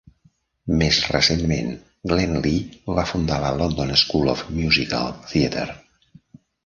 Més recentment, Glenn Lee va fundar la London School of Musical Theatre.